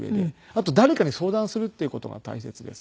あと誰かに相談するっていう事が大切です。